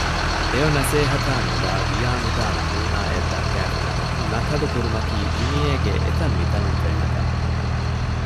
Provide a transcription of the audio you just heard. ހެޔޮ ނަސޭހަތާ ނުލައި ވިޔާނުދާ ނަމޫނާއެއް ދައްކައިފިނަމަ ނަކަލު ކުރުމަކީ ދުނިޔޭގެ އެތަންމިތަނުން ފެންނަ ކަމެއް